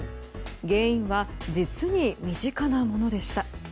原因は実に身近なものでした。